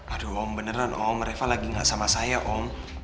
aduh om beneran oh mereka lagi gak sama saya om